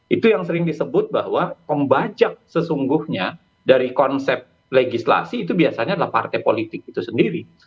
itu yang sering disebut bahwa pembajak sesungguhnya dari konsep legislasi itu biasanya adalah partai politik itu sendiri